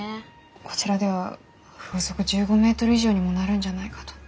こちらでは風速１５メートル以上にもなるんじゃないかと。